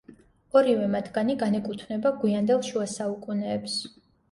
ორივე მათგანი განეკუთვნება გვიანდელ შუა საუკუნეებს.